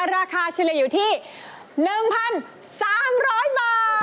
เฉลี่ยอยู่ที่๑๓๐๐บาท